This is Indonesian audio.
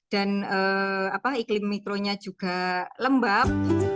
dan apa iklim mikronya juga lembab